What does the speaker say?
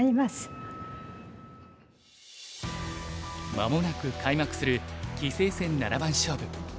間もなく開幕する棋聖戦七番勝負。